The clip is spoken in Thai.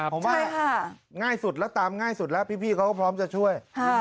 ผมว่าง่ายสุดแล้วตามง่ายสุดแล้วพี่เขาก็พร้อมจะช่วย